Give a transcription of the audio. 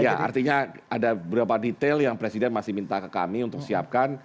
ya artinya ada beberapa detail yang presiden masih minta ke kami untuk siapkan